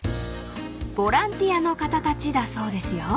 ［ボランティアの方たちだそうですよ］